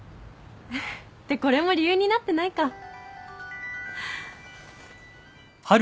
ってこれも理由になってないか